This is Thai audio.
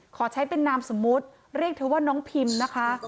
ขอใช้เป็นนามสมมุติเรียกเธอว่าน้องพิมนะคะ